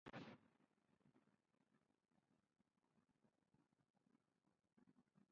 Zilant could be seen at the decorative elements all over Kazan.